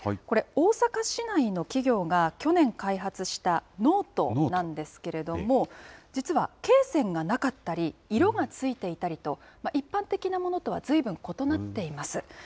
これ、大阪市内の企業が去年開発したノートなんですけれども、実はけい線がなかったり、色がついていたりと、一般的なものとはずいぶん異なっています。